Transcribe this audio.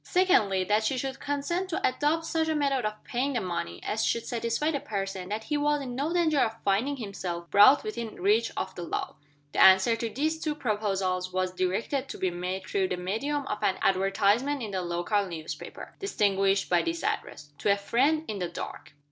Secondly, that she should consent to adopt such a method of paying the money as should satisfy the person that he was in no danger of finding himself brought within reach of the law. The answer to these two proposals was directed to be made through the medium of an advertisement in the local newspaper distinguished by this address, "To a Friend in the Dark."